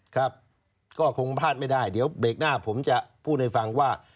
ครับก็คงพลาดไม่ได้เดี๋ยวเบรกหน้าผมจะพูดให้ฟังว่า